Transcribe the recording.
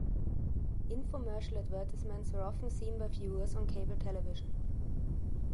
Infomercial advertisements were often seen by viewers on cable television.